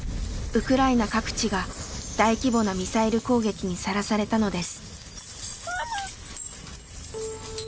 ウクライナ各地が大規模なミサイル攻撃にさらされたのです。